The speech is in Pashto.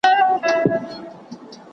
¬ چي ژرنده ئې گرځي، بلا ئې پر ځي.